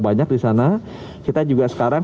banyak di sana kita juga sekarang